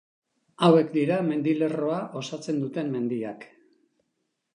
Hauek dira mendilerroa osatzen duten mendiak.